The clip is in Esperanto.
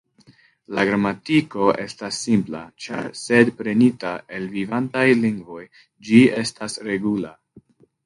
La gramatiko estas simpla, ĉar sed prenita el vivantaj lingvoj, ĝi estas regula.